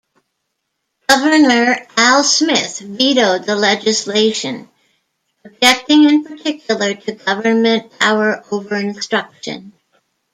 Governor Al Smith vetoed the legislation, objecting in particular to government power over instruction.